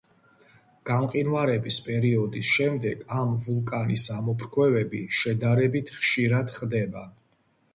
გამყინვარების პერიოდის შემდეგ ამ ვულკანის ამოფრქვევები, შედარებით ხშირად ხდება.